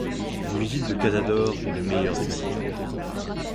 Une visite de cazadores est le meilleur des balayages.